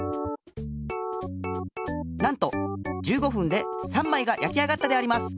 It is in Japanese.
なんと１５ふんで３まいがやき上がったであります。